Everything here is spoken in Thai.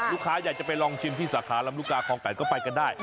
ลูกค้าอยากจะไปลองชิมที่สาขาลำลูกกาคลอง๘ก็ไปกันได้